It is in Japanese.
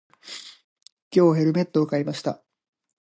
今日、ヘルメットを買いました。